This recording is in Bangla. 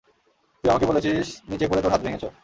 তুই আমাকে বলেছিস নিচে পড়ে তোর হাত ভেঙ্গেছ।